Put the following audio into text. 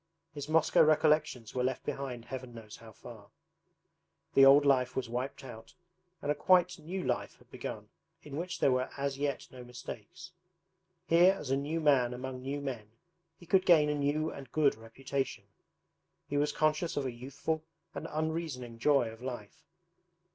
His Moscow recollections were left behind Heaven knows how far! The old life was wiped out and a quite new life had begun in which there were as yet no mistakes. Here as a new man among new men he could gain a new and good reputation. He was conscious of a youthful and unreasoning joy of life.